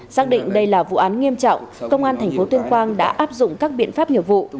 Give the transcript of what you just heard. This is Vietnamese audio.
xác định đây là vụ án nghiêm trọng công an thành phố tuyên quang đã áp dụng các biện pháp hiệu vụ